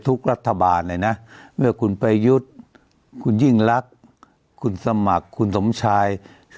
รัฐบาลเลยนะเมื่อคุณประยุทธ์คุณยิ่งรักคุณสมัครคุณสมชาย